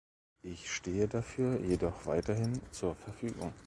Ich stehe dafür jedoch weiterhin zur Verfügung.